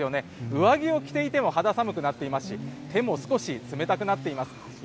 上着を着ていても肌寒くなってきまして手も少し冷たくなっています。